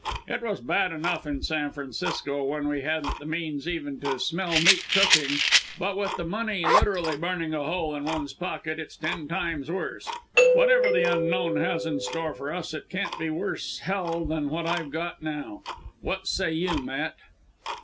It was bad enough in San Francisco, when we hadn't the means even to smell meat cooking but with the money literally burning a hole in one's pocket, it's ten times worse! Whatever the Unknown has in store for us it can't be a worse Hell than what I've got now. What say you, Matt?"